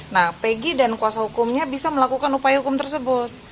nah peggy dan kuasa hukumnya bisa melakukan upaya hukum tersebut